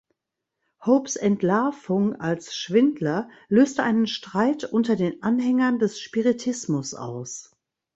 Hopes Entlarvung als Schwindler löste einen Streit unter den Anhängern des Spiritismus aus.